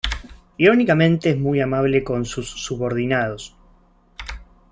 Irónicamente, es muy amable con sus subordinados.